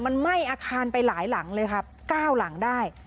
มันไหม้อาคารไปหลายหลังเลยครับ๙หลังได้